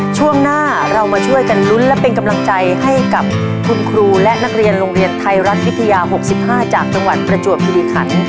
ช่วงหน้าเรามาช่วยกันลุ้นและเป็นกำลังใจให้กับคุณครูและนักเรียนโรงเรียนไทยรัฐวิทยา๖๕จากจังหวัดประจวบคิริขัน